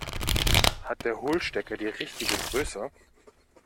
Hat der Hohlstecker die richtige Größe?